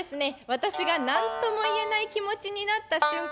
私が何とも言えない気持ちになった瞬間